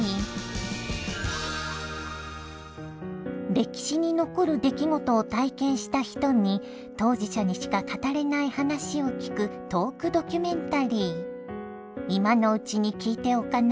歴史に残る出来事を体験した人に当事者にしか語れない話を聞くトークドキュメンタリー。